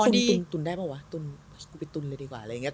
ไปตุนได้เปล่าวะตุนไปตุนเลยดีกว่าอะไรอย่างเงี้ย